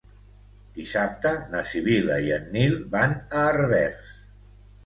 Dissabte na Sibil·la i en Nil van a Herbers.